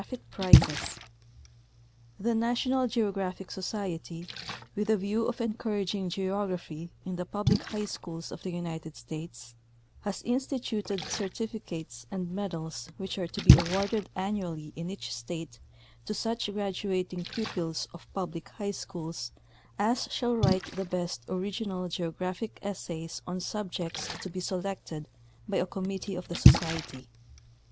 ANNOUNCEMENT. The National Geographic Society, with a view of encour aging the study of geography in the public schools of the United States, has instituted gold medals and certificates which are to be awarded annually, in each state, to such pupil of a public high school as shall write the best original geographic essay on a subject to be selected by a committee of the Society.